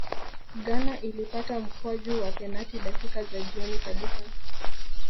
ghana ilipata mkwaju wa penati dakika za jioni kabisa